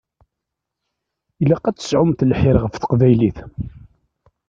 Ilaq ad tesɛumt lḥir ɣef teqbaylit.